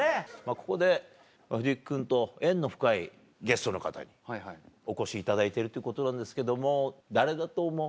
ここで藤木君と縁の深いゲストの方にお越しいただいているということなんですけども誰だと思う？